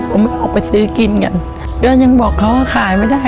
ผมออกไปซื้อกินกันก็ยังบอกเขาว่าขายไม่ได้